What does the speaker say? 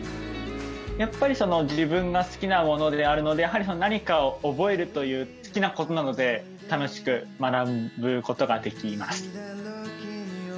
やっぱりその自分が好きなものであるのでやはりその何かを覚えるという好きなことなので楽しく学ぶことができます。